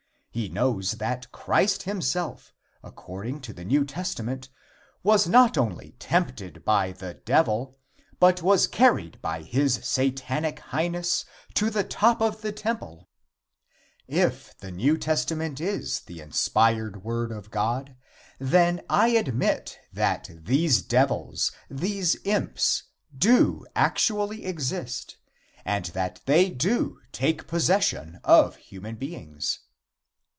He knows that Christ himself, according to the New Testament, was not only tempted by the Devil, but was carried by his Satanic Highness to the top of the temple. If the New Testament is the inspired word of God, then I admit that these devils, these imps, do actually exist and that they do take possession of human beings.